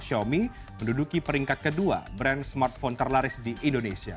xiaomi menduduki peringkat kedua brand smartphone terlaris di indonesia